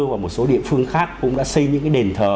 và một số địa phương khác cũng đã xây những cái địa phương này